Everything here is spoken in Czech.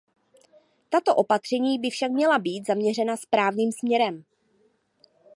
Tato opatření by však měla být zaměřena správným směrem.